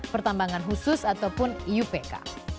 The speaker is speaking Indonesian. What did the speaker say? pertambangan khusus ataupun iupk